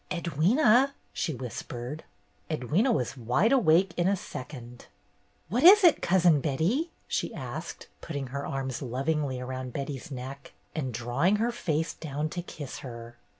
"Edwyna!" she whispered. Edwyna was wide awake in a second. "What is it. Cousin Betty ?" she asked, put ting her arms lovingly around Betty's neck and drawing her face down to kiss her.